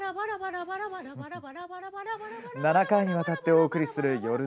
７回にわたってお送りするよる